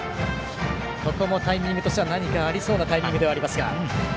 ここもタイミングとしては何かありそうではありますが。